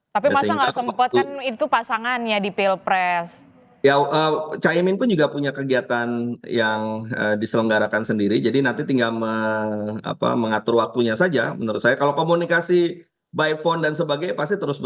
tapi masa nggak sempat kan itu pasangannya di pilpres